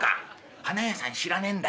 花屋さん知らねえんだよ。